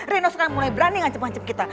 reno sekarang mulai berani ngancep ngancep kita